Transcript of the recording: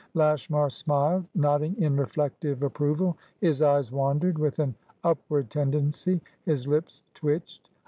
Lashmar smiled, nodding in reflective approval. His eyes wandered, with an upward tendency; his lips twitched.